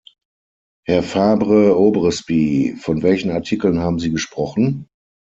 Herr Fabre-Aubrespy, von welchen Artikeln haben Sie gesprochen?